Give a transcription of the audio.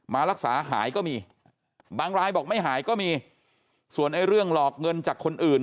มารักษาหายก็มีบางรายบอกไม่หายก็มีส่วนไอ้เรื่องหลอกเงินจากคนอื่น